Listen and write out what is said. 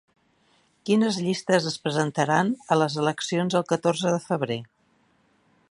Quines llistes es presentaran a les eleccions del catorze de febrer?